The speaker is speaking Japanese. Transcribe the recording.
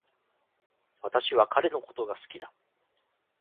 私は彼のことが好きだ